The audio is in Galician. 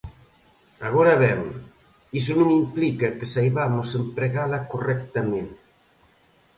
Agora ben, iso non implica que saibamos empregala correctamente.